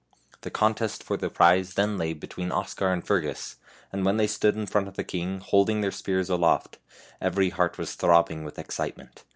The contest for the prize then lay between Oscar and Fergus, and when they stood in front of the king, holding their spears aloft, every heart was throbbing with excitement.